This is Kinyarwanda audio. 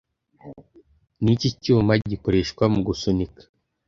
Niki cyuma gikoreshwa mugusunika